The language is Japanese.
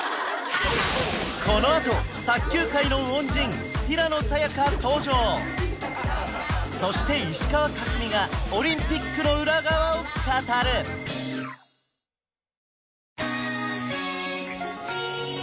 このあと卓球界の恩人平野早矢香登場そして石川佳純がオリンピックの裏側を語るいいことばかりじゃない。